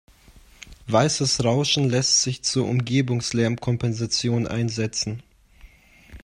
Weißes Rauschen lässt sich zur Umgebungslärmkompensation einsetzen.